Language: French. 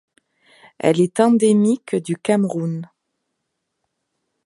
Elle est endémique du Cameroun.